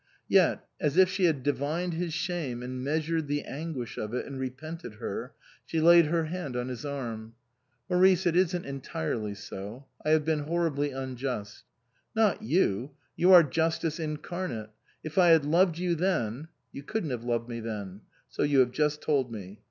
Yet, as if she had divined his shame and measured the anguish of it and repented her, she laid her hand on his arm. " Maurice, it isn't entirely so. I have been horribly unjust." " Not you ! You are justice incarnate. If I had loved you then "" You couldn't have loved me then." " So you have just told me."